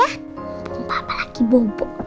sumpah apa lagi bobo